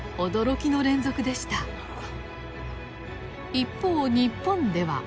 一方日本では。